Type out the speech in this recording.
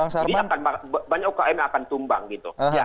jadi banyak ukm yang akan tumbang gitu